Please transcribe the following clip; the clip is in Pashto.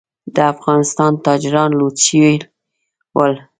افغانستان تاجران لوټ شوي ول.